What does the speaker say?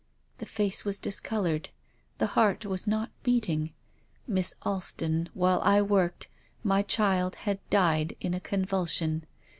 The face was discoloured. The heart was not beating. Miss Alston, while I worked, my child had died in a convulsion.